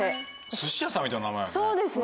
寿司屋さんみたいな名前やね。